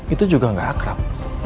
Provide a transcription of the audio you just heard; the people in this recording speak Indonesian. itu juga nggak akrab